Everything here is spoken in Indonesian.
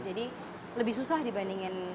jadi lebih susah dibandingin